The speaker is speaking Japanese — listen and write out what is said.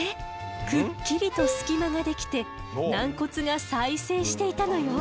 くっきりと隙間ができて軟骨が再生していたのよ。